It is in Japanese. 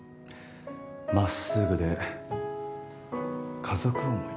まっすぐで家族思い。